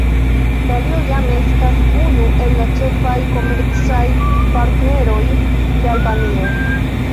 Italio jam estas unu el la ĉefaj komercaj partneroj de Albanio.